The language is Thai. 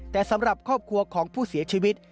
แต่สำหรับครอบครัวของผู้เสียชีวิต